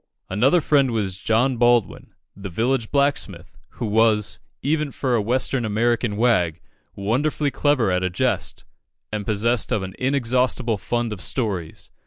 Another friend was John Baldwin, the village blacksmith, who was, even for a Western American wag, wonderfully clever at a jest, and possessed of an inexhaustible fund of stories.